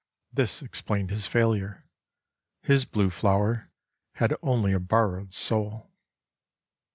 This explained his failure. His blue flower had only a borrowed soul.